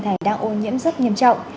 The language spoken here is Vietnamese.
thành đang ô nhiễm rất nghiêm trọng